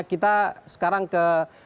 kita sekarang ke